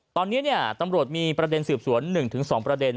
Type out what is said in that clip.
ตอนนี้ตำรวจมีประเด็นสืบสวน๑๒ประเด็น